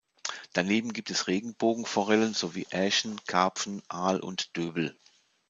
Daneben gibt es Regenbogenforellen sowie Äschen, Karpfen, Aal und Döbel.